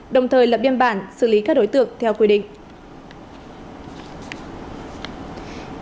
đồng thời lập biên bản xử lý các đối tượng theo quy định